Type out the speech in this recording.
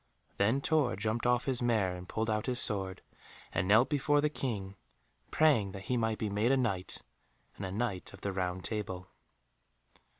Then Tor jumped off his mare and pulled out his sword, and knelt before the King, praying that he might be made a Knight and a Knight of the Round Table.